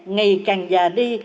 ngày càng già đi